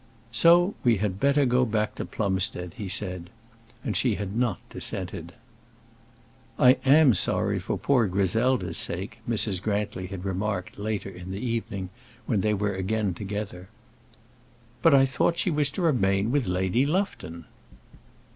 "So we had better go back to Plumstead," he said; and she had not dissented. "I am sorry for poor Griselda's sake," Mrs. Grantly had remarked later in the evening, when they were again together. "But I thought she was to remain with Lady Lufton?"